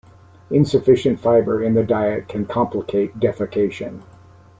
Insufficient fiber in the diet can complicate defecation.